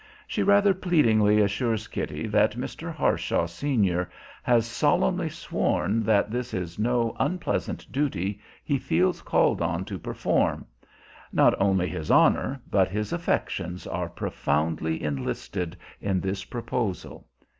She rather pleadingly assures Kitty that Mr. Harshaw senior has solemnly sworn that this is no unpleasant duty he feels called on to perform; not only his honor, but his affections are profoundly enlisted in this proposal.